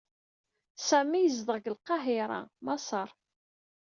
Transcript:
Sami yezdeɣ deg Lqahiṛa, Maṣer.